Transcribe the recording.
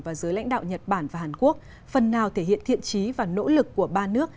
và giới lãnh đạo nhật bản và hàn quốc phần nào thể hiện thiện trí và nỗ lực của ba nước